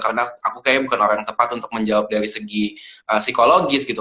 karena aku kayaknya bukan orang yang tepat untuk menjawab dari segi psikologis gitu